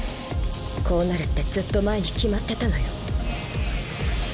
こうなるってずっと前に決まってたのよ。